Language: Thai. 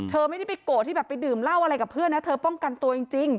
เธอไม่ได้ไปโกรธที่แบบไปดื่มเหล้าอะไรกับเพื่อนนะเธอป้องกันตัวจริง